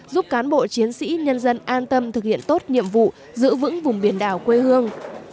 giúp cán bộ chiến sĩ nhân dân an tâm thực hiện tốt nhiệm vụ giữ vững vùng biển đảo quê hương